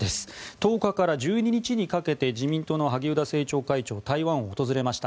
１０日から１２日にかけて自民党の萩生田政調会長台湾を訪れました。